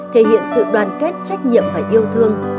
thể hiện sự đoàn kết trách nhiệm và yêu thương